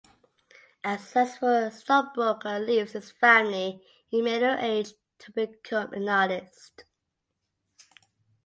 A successful stockbroker leaves his family in middle age to become an artist.